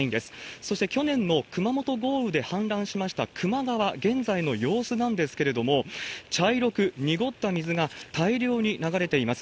そして去年の熊本豪雨で氾濫しました球磨川、現在の様子なんですけれども、茶色く濁った水が大量に流れています。